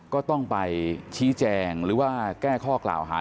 ก็ต้องไปชี้แจงหรือว่าแก้ข้อกล่าวหา